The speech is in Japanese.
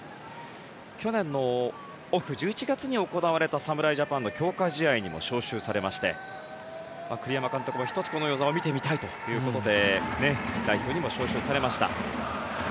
去年のオフ、１１月に行われた侍ジャパンの強化試合にも招集されまして栗山監督も１つ、この與座を見てみたいということで代表にも招集されました。